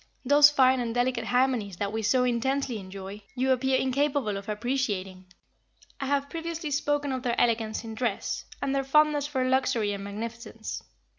Those fine and delicate harmonies that we so intensely enjoy, you appear incapable of appreciating." I have previously spoken of their elegance in dress, and their fondness for luxury and magnificence.